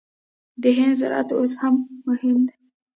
د هند زراعت اوس هم مهم دی.